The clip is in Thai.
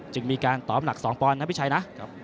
จึงมีการตอบหนัก๒ปอนด์นะพี่ชัยนะ